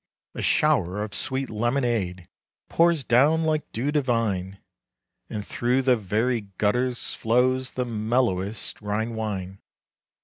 A shower of sweet lemonade Pours down like dew divine. And through the very gutters flows The mellowest Rhine wine.